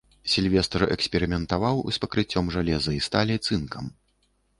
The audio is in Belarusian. Сільвестр эксперыментаваў з пакрыццём жалеза і сталі цынкам.